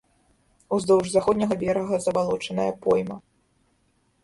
Уздоўж заходняга берага забалочаная пойма.